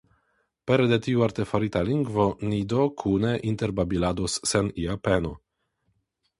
Pere de tiu artefarita lingvo ni do kune interbabilados sen ia peno.